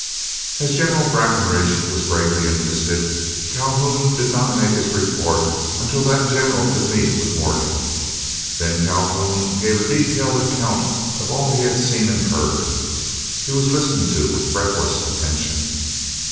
As General Breckinridge was greatly interested, Calhoun did not make his report until that General could meet with Morgan. Then Calhoun gave a detailed account of all he had seen and heard. He was listened to with breathless attention.